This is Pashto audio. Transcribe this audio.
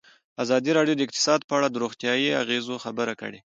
ازادي راډیو د اقتصاد په اړه د روغتیایي اغېزو خبره کړې.